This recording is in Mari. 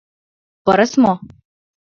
Пырыс мо?